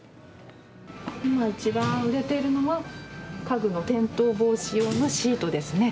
今、一番売れているのは家具の転倒防止用のシートですね。